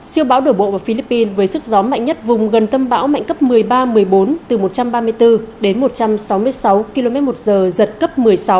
siêu bão đổ bộ vào philippines với sức gió mạnh nhất vùng gần tâm bão mạnh cấp một mươi ba một mươi bốn từ một trăm ba mươi bốn đến một trăm sáu mươi sáu km một giờ giật cấp một mươi sáu